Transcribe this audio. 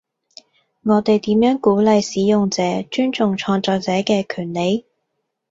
我哋點樣鼓勵使用者尊重創作者嘅權利？